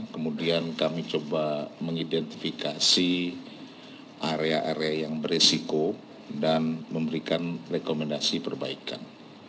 kemudian kami coba mengidentifikasi area area yang beresiko dan memberikan rekomendasi perbaikan